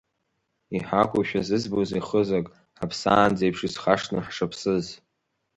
Иҳақәушәа зызбозеи хызак, ҳаԥсаанӡеиԥш, исхашҭны ҳшыԥсыз?!